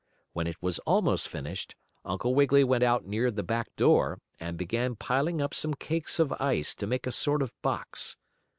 When it was almost finished Uncle Wiggily went out near the back door, and began piling up some cakes of ice to make a sort of box.